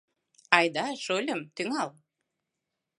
— Айда, шольым, тӱҥал.